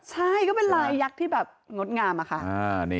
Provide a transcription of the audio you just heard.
ใช่ก็เป็นลายยักษ์ที่แบบงดงามอะค่ะ